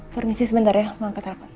permisi sebentar ya mau angkat telfon